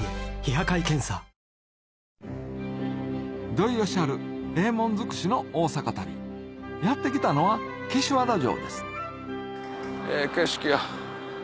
土井善晴ええもん尽くしの大阪旅やって来たのはええ景色や。